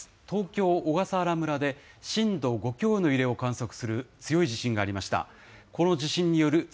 東京・小笠原村で、震度５強の揺れを観測する強い地震がありました。